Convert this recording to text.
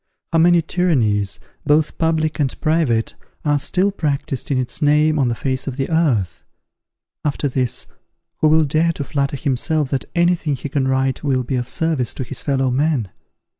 How many tyrannies, both public and private, are still practised in its name on the face of the earth! After this, who will dare to flatter himself that any thing he can write will be of service to his fellow men?